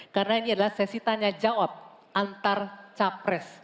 karena ini adalah sesi tanya jawab antar capres